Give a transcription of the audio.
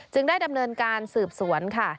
ได้ดำเนินการสืบสวนค่ะ